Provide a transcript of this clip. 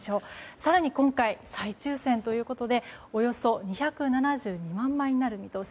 更に今回、再抽選ということでおよそ２７２万枚になる見通し。